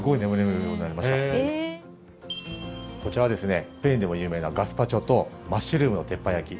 こちらはスペインでも有名なガスパチョとマッシュルームの鉄板焼き。